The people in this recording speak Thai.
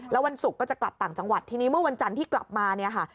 แล้ววันศุกร์ก็จะกลับต่างจังหวัดทีนี้เมื่อวันจันทร์ที่กลับมาเนี่ยค่ะ